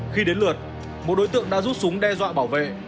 khi đến lượt một đối tượng đã rút súng đe dọa bảo vệ